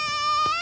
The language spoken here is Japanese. あ！